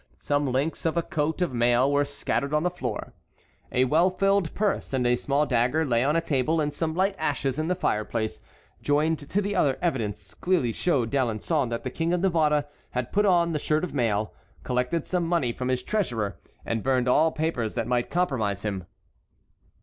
Some links of a coat of mail were scattered on the floor. A well filled purse and a small dagger lay on a table, and some light ashes in the fireplace, joined to the other evidence, clearly showed D'Alençon that the King of Navarre had put on the shirt of mail, collected some money from his treasurer, and burned all papers that might compromise him.